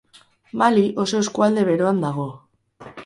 Mali oso eskualde beroan dago.